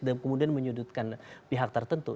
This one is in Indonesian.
dan kemudian menyudutkan pihak tertentu